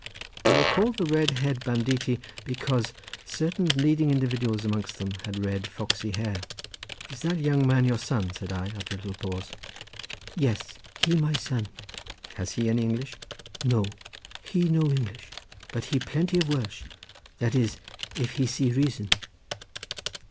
They were called the red haired banditti because certain leading individuals amongst them had red foxy hair. "Is that young man your son?" said I, after a little pause. "Yes, he my son." "Has he any English?" "No, he no English, but he plenty of Welsh—that is if he see reason."